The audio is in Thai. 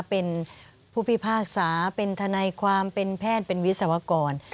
เป็นผู้พิพากษาเป็นทนายความเป็นแพทย์เป็นวิศวกร